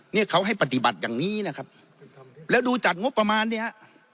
เนี่ยเขาให้ปฏิบัติอย่างนี้นะครับแล้วดูจัดงบประมาณเนี่ยฮะ